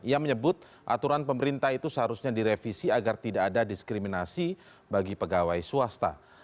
ia menyebut aturan pemerintah itu seharusnya direvisi agar tidak ada diskriminasi bagi pegawai swasta